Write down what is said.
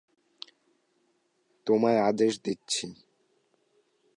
তোমায় আদেশ দিচ্ছি!